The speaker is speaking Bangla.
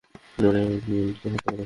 ওরা এমিলকে হত্যা করেছে।